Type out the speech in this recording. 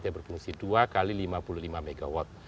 berfungsi dua kali lima puluh lima megawatt